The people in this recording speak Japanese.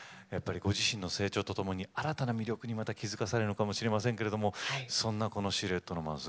ご自身の成長とともに新たな魅力に気付かされるのかもしれませんけれどそんな「シルエット・ロマンス」